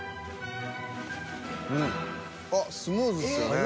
［あっスムーズですよね］